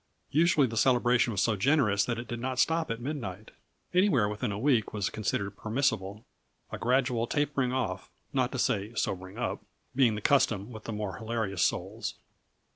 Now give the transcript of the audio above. Usually the celebration was so generous that it did not stop at midnight; anywhere within a week was considered permissible, a gradual tapering off not to say sobering up being the custom with the more hilarious souls.